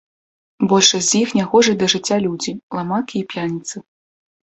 Большасць з іх нягожыя да жыцця людзі, ламакі і п'яніцы.